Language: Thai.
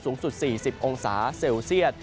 สูงสุด๔๐องศาเซลเซียต